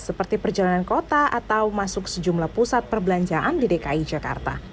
seperti perjalanan kota atau masuk sejumlah pusat perbelanjaan di dki jakarta